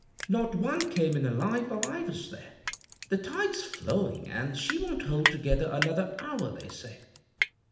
Not one came in alive while I was there. The tide's flowing, an' she won't hold together another hour, they say.'